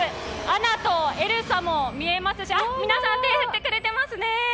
アナとエルサも見えますし皆さん、手振ってくれてますね。